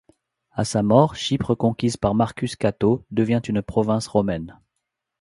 À sa mort, Chypre, conquise par Marcus Cato, devient une province romaine.